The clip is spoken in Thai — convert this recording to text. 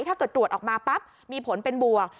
ถ้าเกิดตรวจออกมาปั๊บมีผลเป็นบวก